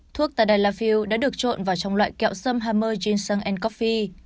thuốc tadalafil đã được trộn vào trong loại kẹo xâm hammer ginseng coffee